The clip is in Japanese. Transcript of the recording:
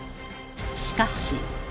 しかし。